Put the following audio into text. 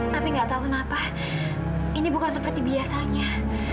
tapi gak tahu kenapa ini bukan seperti biasanya